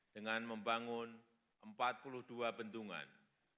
dengan membangun empat puluh dua bendungan